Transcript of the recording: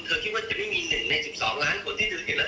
คิดว่าจะไม่มี๑ใน๑๒ล้านคนที่เธอเห็นแล้ว